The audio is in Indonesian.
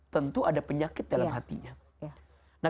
tentu ada penyakit dalam hatinya